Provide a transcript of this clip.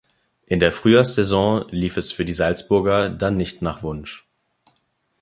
In der Frühjahrssaison lief es für die Salzburger dann nicht nach Wunsch.